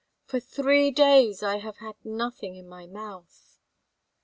For three days I have had nothing in my mouth!"